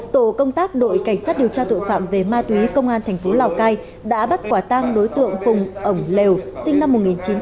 tổ công tác đội cảnh sát điều tra tội phạm về ma túy công an thành phố lào cai đã bắt quả tang đối tượng phùng lều sinh năm một nghìn chín trăm tám mươi